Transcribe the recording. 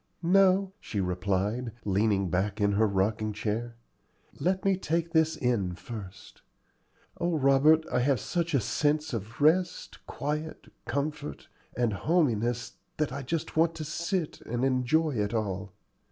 "No," she replied, leaning back in her rocking chair: "let me take this in first. O Robert, I have such a sense of rest, quiet, comfort, and hominess that I just want to sit still and enjoy it all.